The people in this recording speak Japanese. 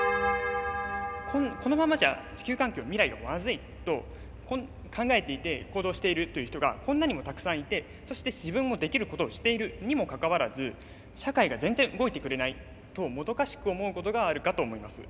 ここのままじゃ地球環境未来がまずいと考えていて行動しているという人がこんなにもたくさんいてそして自分もできることをしているにもかかわらず社会が全然動いてくれないともどかしく思うことがあるかと思います。